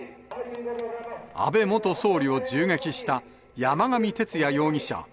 安倍元総理を銃撃した山上徹也容疑者